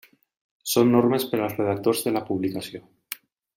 Són normes per als redactors de la publicació.